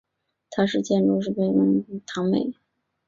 她是建筑师贝聿铭的堂妹。